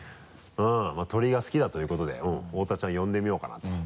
まぁ鶏が好きだということで大田ちゃん呼んでみようかなと。